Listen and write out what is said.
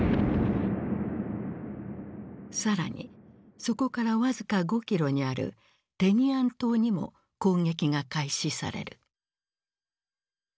更にそこから僅か５キロにあるテニアン島にも攻撃が開始される。